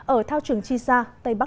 ở thao trường chisa tây bắc